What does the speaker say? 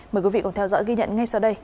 mời quý vị cùng theo dõi ghi nhận ngay sau đây